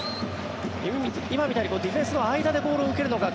今みたいにディフェンスの間でボールを受けるのが